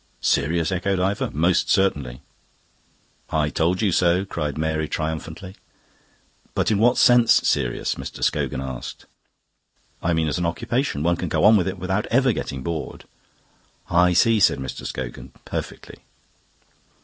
"Serious?" echoed Ivor. "Most certainly." "I told you so," cried Mary triumphantly. "But in what sense serious?" Mr. Scogan asked. "I mean as an occupation. One can go on with it without ever getting bored." "I see," said Mr. Scogan. "Perfectly."